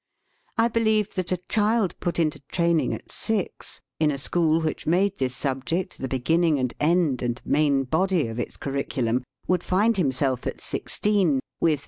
I believe that a child put into training at six, in a school which made this subject the be ginning and end and main body of its cur riculum, would find himself at sixteen, with